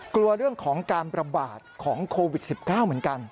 กลัวเรื่องของการประบาดของโควิด๑๙เหมือนกัน